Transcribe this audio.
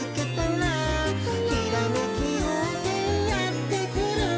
「ひらめきようせいやってくる」